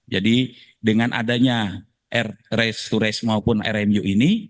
jadi dengan adanya rice to rice maupun rmu ini